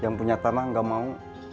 yang punya tanah nggak mau